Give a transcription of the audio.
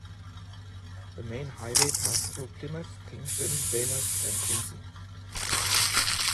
The main highway passed through Plymouth, Kingston, Weymouth, and Quincy.